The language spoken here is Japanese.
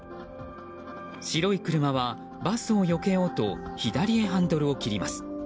白い車はバスをよけようと左へハンドルを切ります。